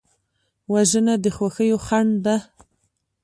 وژنه د خوښیو خنډ ده